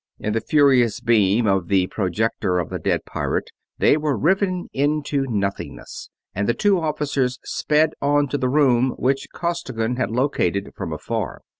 In the furious beam of the projector of the dead pirate they were riven into nothingness, and the two officers sped on to the room which Costigan had located from afar.